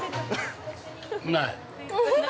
◆ない。